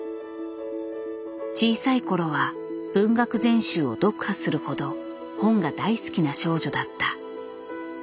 小さい頃は文学全集を読破するほど本が大好きな少女だった。